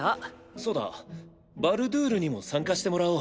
そうだバルドゥールにも参加してもらおう。